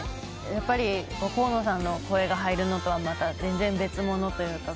やっぱり高野さんの声が入るのとはまた全然別物というか。